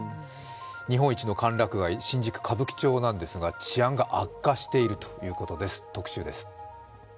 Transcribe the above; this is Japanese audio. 日本一の歓楽街新宿・歌舞伎町なんですが治安が悪化しているということです、特集です。